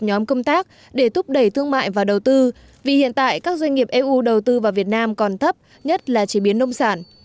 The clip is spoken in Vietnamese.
nhóm công tác để thúc đẩy thương mại và đầu tư vì hiện tại các doanh nghiệp eu đầu tư vào việt nam còn thấp nhất là chế biến nông sản